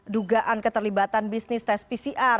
dugaan keterlibatan bisnis tes pcr